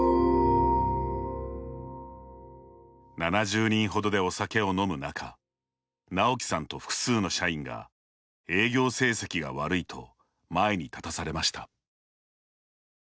７０人ほどでお酒を飲む中なおきさんと複数の社員が営業成績が悪いと前に立たされました。